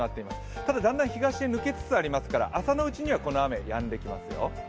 ただだんだん東へ抜けつつありますから朝のうちにはこの雨、やんできますよ。